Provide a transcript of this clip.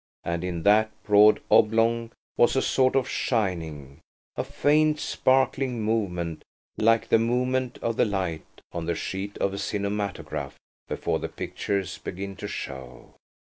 And in that broad oblong was a sort of shining, a faint sparkling movement, like the movement of the light on the sheet of a cinematograph before the pictures begin to show.